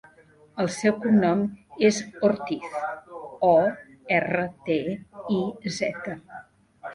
El seu cognom és Ortiz: o, erra, te, i, zeta.